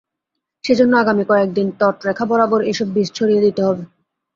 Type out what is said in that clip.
সেজন্য আগামী কয়েকদিন তটরেখা বরাবর এসব বীজ ছড়িয়ে দিতে হবে।